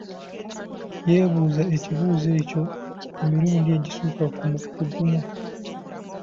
Yeebuuza ekibuuzo ekyo emirundi egisukka mu gumu.